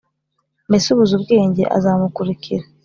mbese ubuze ubwenge? azakumurikira